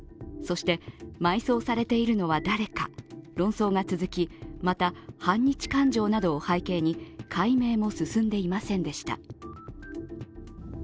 そして埋葬されているのは誰か論争が続き、また反日感情などを背景に解明も進んでいませんでした。